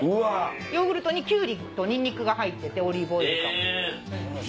ヨーグルトにキュウリとニンニク入っててオリーブオイルと。